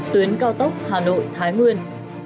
tuyến cao tốc hà nội thái nguyên